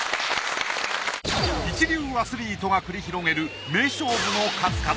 一流アスリートが繰り広げる名勝負の数々。